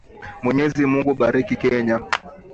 Mwenyezi Mungu Bariki Kenya.